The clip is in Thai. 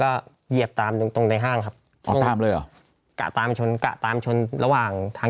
ก็เหยียบตามตรงในห้างครับกระตามชนกระตามชนระหว่างทาง